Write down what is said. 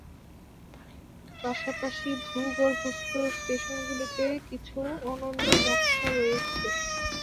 পাশাপাশি ভূগর্ভস্থ স্টেশনগুলিতে কিছু অনন্য নকশা রয়েছে।